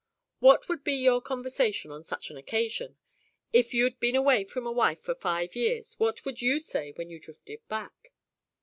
What would be your conversation on such an occasion? If you'd been away from a wife for five years, what would you say when you drifted back?"